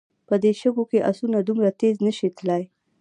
په دې شګو کې آسونه دومره تېز نه شي تلای.